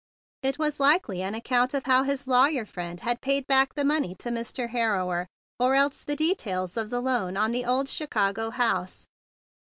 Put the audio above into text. It was likely an ac¬ count of how his lawyer friend had paid back the money to Mr. Harrower, or else the details of the loan on the old Chicago house.